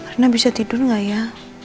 reina bisa tidur gak ya